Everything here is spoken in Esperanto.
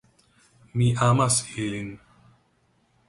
Mi amas ilin!